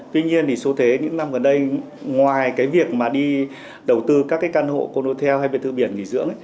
tuy nhiên số thế những năm gần đây ngoài việc đầu tư các căn hộ condotel hay việt thự biển nghỉ dưỡng